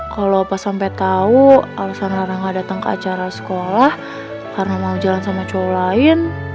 kalau opah sampai tau alasan rara nggak datang ke acara sekolah karena mau jalan sama cowo lain